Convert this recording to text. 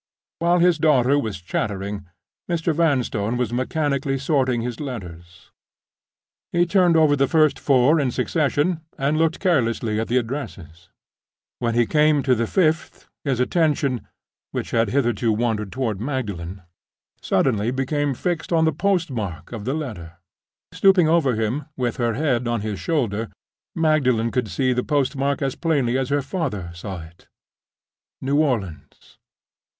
While his daughter was chattering, Mr. Vanstone was mechanically sorting his letters. He turned over the first four in succession and looked carelessly at the addresses. When he came to the fifth his attention, which had hitherto wandered toward Magdalen, suddenly became fixed on the post mark of the letter. Stooping over him, with her head on his shoulder, Magdalen could see the post mark as plainly as her father saw it—NEW ORLEANS.